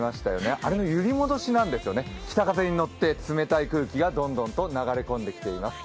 あの揺り戻しなんですよね、北風にのって冷たい空気がどんどん流れてきています。